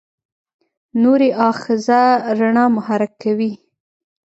نوري آخذه رڼا محرک کوي.